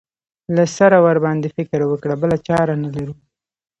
له سره ورباندې فکر وکړو بله چاره نه لرو.